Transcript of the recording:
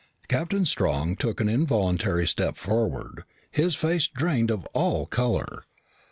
Captain Strong took an involuntary step forward, his face drained of all color.